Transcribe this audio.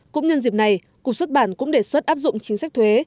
cũng nhân dịp này cục xuất bản cũng đề xuất áp dụng chính sách thuế